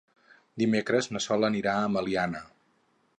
Dimecres na Sol anirà a Meliana.